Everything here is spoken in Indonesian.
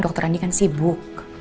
dokter andi kan sibuk